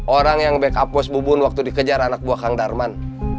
orang yang backup post bubun waktu dikejar anak buah kang darman